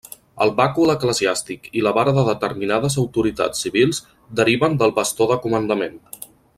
El bàcul eclesiàstic i la vara de determinades autoritats civils deriven del bastó de comandament.